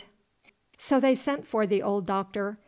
So they sent for the old Doctor.